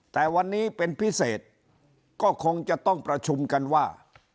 แต่วันนี้เป็นพิเศษก็คงจะต้องประชุมกันว่า